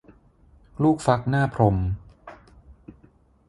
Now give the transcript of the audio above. ลูกฟักหน้าพรหม